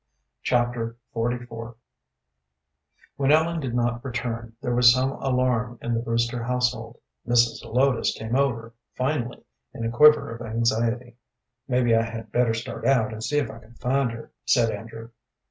Chapter XLIV When Ellen did not return, there was some alarm in the Brewster household. Mrs. Zelotes came over, finally, in a quiver of anxiety. "Maybe I had better start out and see if I can find her," said Andrew.